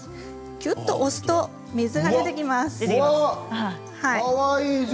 きゅっと押すと水が出てきます。